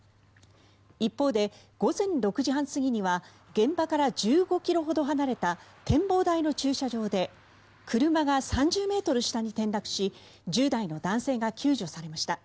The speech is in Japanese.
一方で午前６時半過ぎには現場から１５ｋｍほど離れた展望台の駐車場で車が３０ｍ下に転落し１０代の男性が救助されました。